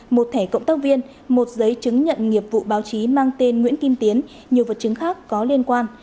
một thẻ cộng tác viên một giấy chứng nhận nghiệp vụ báo chí mang tên nguyễn kim tiến nhiều vật chứng khác có liên quan